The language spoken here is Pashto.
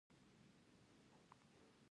د ګرګک خربوزه مشهوره ده.